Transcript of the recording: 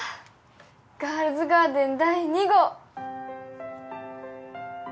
『ガールズガーデン』第２号！